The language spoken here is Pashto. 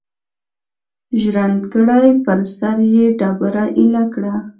ژرندګړی پر سر یې ډبره ایله کړه.